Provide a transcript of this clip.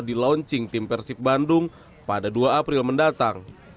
di launching tim persib bandung pada dua april mendatang